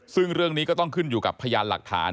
ซึ่งเรื่องนี้ก็ต้องขึ้นอยู่กับพยานหลักฐาน